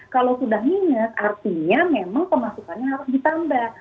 kalau sudah minus artinya memang pemasukannya harus ditambah